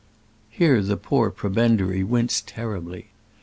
Here the poor prebendary winced terribly.